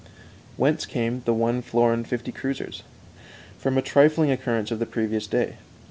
Whence came the one florin fifty kreuzers? From a trifling occurrence of the previous day.